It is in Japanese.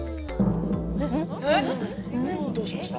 えっ？どうしました？